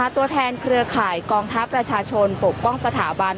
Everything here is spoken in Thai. ตัวแทนเครือข่ายกองทัพประชาชนปกป้องสถาบัน